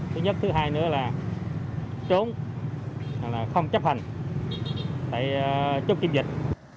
thứ nhất thứ hai nữa là trốn không chấp hành tại chốt kiểm dịch